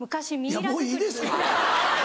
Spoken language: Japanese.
いやもういいですか？